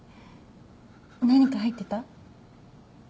何か入ってた？